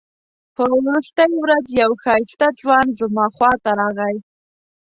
په وروستۍ ورځ یو ښایسته ځوان زما خواته راغی.